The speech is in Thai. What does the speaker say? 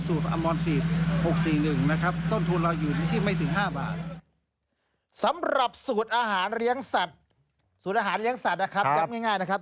สูตรอาหารเลี้ยงสัตว์นะครับที่เรียกง่ายนะครับ